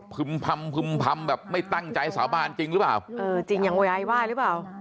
พำพึ่มพำแบบไม่ตั้งใจสาบานจริงหรือเปล่าเออจริงอย่างวัยว่าหรือเปล่า